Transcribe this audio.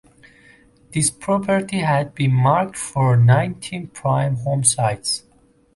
This property had been marked for nineteen prime home sites.